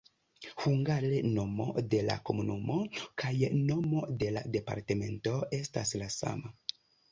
Hungare nomo de la komunumo kaj nomo de la departemento estas la sama.